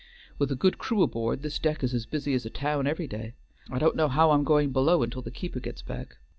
"With a good crew aboard, this deck is as busy as a town every day. I don't know how I'm going below until the keeper gets back.